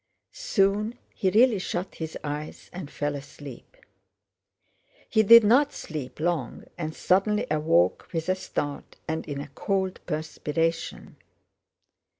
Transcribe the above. Soon he really shut his eyes and fell asleep. He did not sleep long and suddenly awoke with a start and in a cold perspiration.